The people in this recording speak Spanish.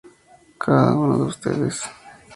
Cada uno de ustedes".